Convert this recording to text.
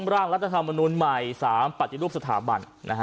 ร่างรัฐธรรมนุนใหม่๓ปฏิรูปสถาบัน